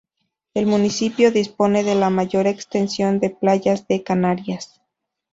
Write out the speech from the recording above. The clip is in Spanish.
El municipio dispone de la mayor extensión de playas de Canarias.